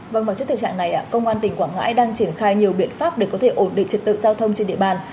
vâng và trước thực trạng này công an tỉnh quảng ngãi đang triển khai nhiều biện pháp để có thể ổn định trật tự giao thông trên địa bàn